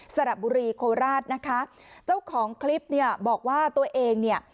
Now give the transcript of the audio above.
สระบุรีโคราชนะคะเจ้าของคลิปเนี่ยบอกว่าตัวเองเนี่ย